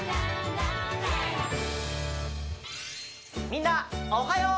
みんなおはよう！